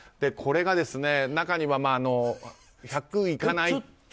これが中には１００いかない。